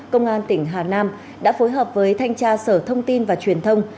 công an tỉnh hà nam đã phối hợp với thanh tra sở thông tin và truyền thông